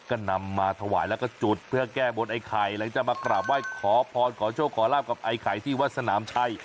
ก็นำมาถวายแล้วก็จุดเพื่อแก้บนไอ้ไข่หลังจากมากราบไหว้ขอพรขอโชคขอลาบกับไอ้ไข่ที่วัดสนามชัย